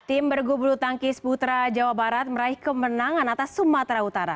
tim bergulu tangkis putra jawa barat meraih kemenangan atas sumatera utara